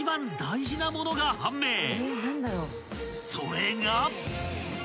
［それが］